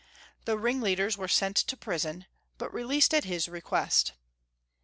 The ringleaders were sent to prison, but released at his request.